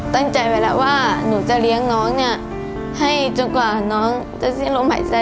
ตั้งใจไว้แล้วว่าหนูจะเลี้ยงน้องเนี่ยให้จนกว่าน้องจะสิ้นลมหายใจ